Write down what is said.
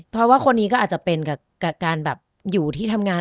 เพราะว่าคนนี้ก็อาจจะเป็นการแบบอยู่ที่ทำงาน